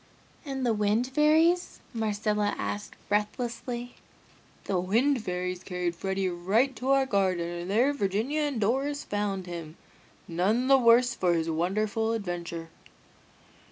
"And the Wind Fairies?" Marcella asked breathlessly. "The Wind Fairies carried Freddy right to our garden and there Virginia and Doris found him, none the worse for his wonderful adventure!"